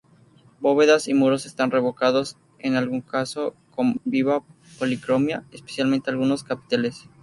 Bóvedas y muros están revocados, en algún caso con viva policromía, especialmente algunos capiteles.